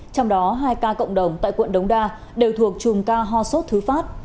trong đó hai ca cộng đồng tại quận đống đa đều thuộc chùm ca ho sốt thứ phát